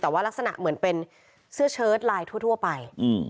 แต่ว่ารักษณะเหมือนเป็นเสื้อเชิดลายทั่วไป